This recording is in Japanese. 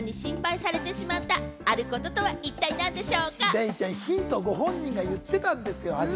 デイちゃん、ヒントご本人が始まる前に言ってたんですよ。